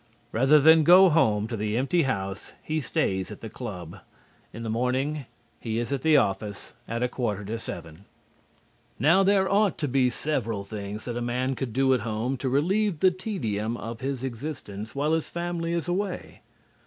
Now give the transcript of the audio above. Rather than go home to the empty house he stays at the club. In the morning he is at the office at a quarter to seven. Now there ought to be several things that a man could do at home to relieve the tedium of his existence while the family is away.